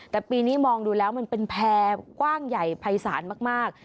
แต่ปีนี้มองดูแล้วมันเป็นแพร่กว้างใหญ่ภัยศาลมาก